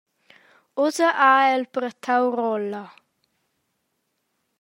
Ussa ha el brattau rolla.